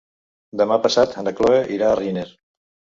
Demà passat na Cloè irà a Riner.